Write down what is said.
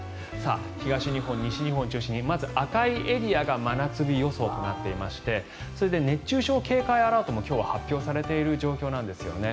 東日本、西日本中心にまず赤いエリアが真夏日予想となっていましてそれで熱中症警戒アラートも今日は発表されている状態なんですよね。